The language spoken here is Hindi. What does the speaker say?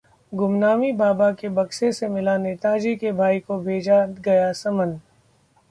गुमनामी बाबा के बक्से से मिला नेताजी के भाई को भेजा गया समन